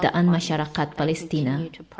dan penderitaan masyarakat palestina